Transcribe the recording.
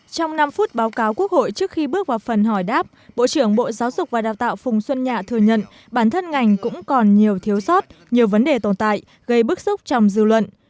trong năm phút báo cáo quốc hội trước khi bước vào phần hỏi đáp bộ trưởng bộ giáo dục và đào tạo phùng xuân nhạ thừa nhận bản thân ngành cũng còn nhiều thiếu sót nhiều vấn đề tồn tại gây bức xúc trong dư luận